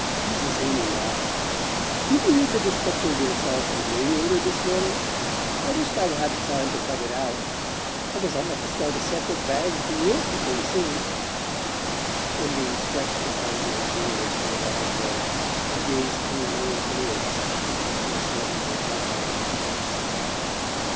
Mrs. Heeny laughed. "Did you read the description of yourself in the Radiator this morning? I wish't I'd 'a had time to cut it out. I guess I'll have to start a separate bag for YOUR clippings soon." Undine stretched her arms luxuriously above her head and gazed through lowered lids at the foreshortened reflection of her face.